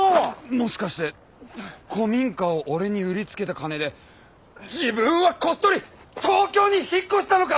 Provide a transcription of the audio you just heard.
もしかして古民家を俺に売りつけた金で自分はこっそり東京に引っ越したのか！？